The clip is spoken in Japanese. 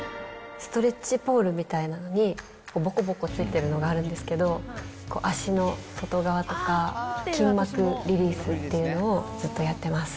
ストレッチポールみたいなのに、ぼこぼこついているのがあるんですけど、脚の外側とか、筋膜リリースっていうのをずっとやってます。